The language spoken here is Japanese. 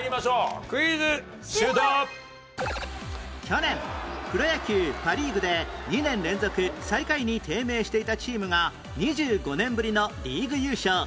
去年プロ野球パ・リーグで２年連続最下位に低迷していたチームが２５年ぶりのリーグ優勝